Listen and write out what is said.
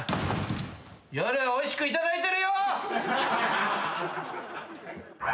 夜おいしくいただいてるよ！